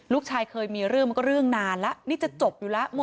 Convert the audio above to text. ลูกชายเคยมีเรื่องหนานนี้จะจบอยู่แล้ว